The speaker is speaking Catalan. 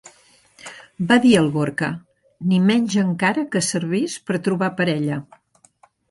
Va dir el Gorka—, ni menys encara que servís per trobar parella.